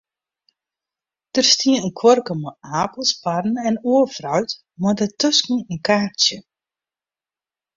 Der stie in kuorke mei apels, parren en oar fruit, mei dêrtusken in kaartsje.